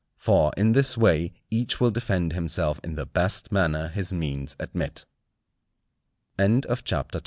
For in this way each will defend himself in the best manner his means admit. CHAPTER XIII.